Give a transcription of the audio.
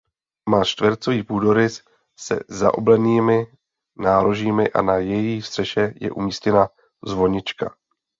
Má čtvercový půdorys se zaoblenými nárožími a na její střeše je umístěna zvonička.